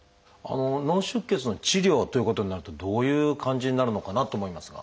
脳出血の治療ということになるとどういう感じになるのかなと思いますが。